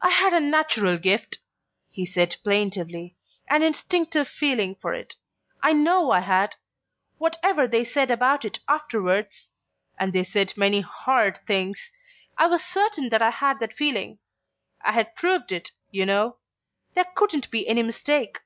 "I had a natural gift," he said plaintively, "an instinctive feeling for it. I know I had. Whatever they said about it afterwards and they said many hard things I was certain that I had that feeling. I had proved it, you know; there couldn't be any mistake."